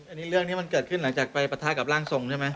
อันนี้เรื่องนี้มันเกิดขึ้นหลังจากไปปะทะกับร่างทรงใช่ไหม